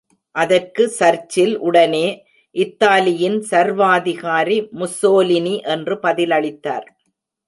அதற்கு சர்ச்சில் உடனே, இத்தாலியின் சர்வாதிகாரி முஸ்ஸோலினி என்று பதில் அளித்தார்.